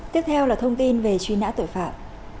tiếp theo là thông tin về truy nã tội phạm